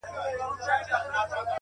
هغه سړی کلونه پس دی راوتلی ښار ته